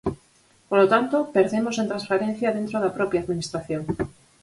Polo tanto, perdemos en transparencia dentro da propia Administración.